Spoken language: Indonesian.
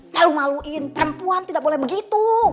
malu maluin perempuan tidak boleh begitu